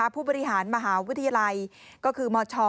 ผู้บริหารมหาวิทยาลัยก็คือมช